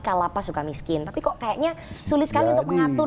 kalapas suka miskin tapi kok kayaknya sulit sekali untuk mengatur